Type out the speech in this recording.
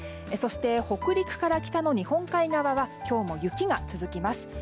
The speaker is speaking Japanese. そして、北陸から北の日本海側は今日も雪が続きます。